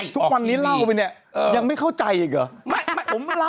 ทุกวันนี้เล่าไปเนี่ยยังไม่เข้าใจอีกเหรอ